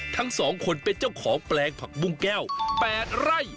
ทั้ง๒คนเป็นเจ้าของแปลงผักบุ้งแก้ว๘ไร่